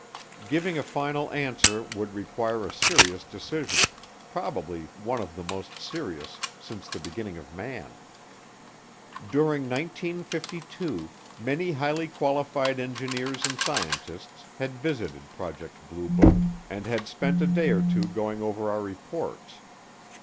Giving a final answer would require a serious decision probably one of the most serious since the beginning of man. During 1952 many highly qualified engineers and scientists had visited Project Blue Book and had spent a day or two going over our reports.